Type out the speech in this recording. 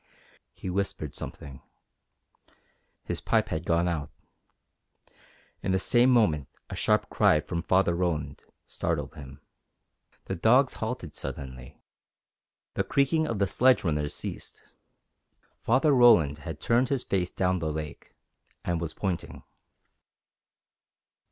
He whispered something. His pipe had gone out. In the same moment a sharp cry from Father Roland startled him. The dogs halted suddenly. The creaking of the sledge runners ceased. Father Roland had turned his face down the lake, and was pointing.